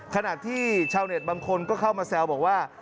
ขนาดที่ชาวเน็ตบางคนเข้ามาแซวว่า